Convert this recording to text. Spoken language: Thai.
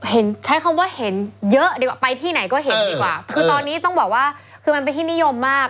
ใช้คำว่าเห็นเยอะดีกว่าไปที่ไหนก็เห็นดีกว่าคือตอนนี้ต้องบอกว่าคือมันเป็นที่นิยมมาก